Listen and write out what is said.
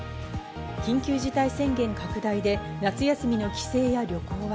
緊急事態宣言拡大で夏休みの帰省や旅行は。